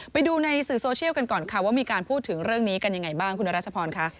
ไปดูในสื่อโซเชียลกันก่อนค่ะว่ามีการพูดถึงเรื่องนี้กันยังไงบ้างคุณรัชพรค่ะ